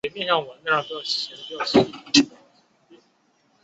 六叶龙胆为龙胆科龙胆属的植物。